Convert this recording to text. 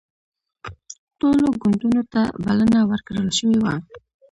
ټولو ګوندونو ته بلنه ورکړل شوې وه